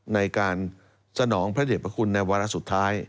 ในการสนองพระเด็จพระคุณในวาระสุดท้าย